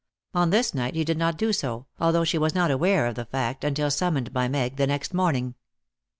On this night he did not do so, although she was not aware of the fact until summoned by Meg the next morning.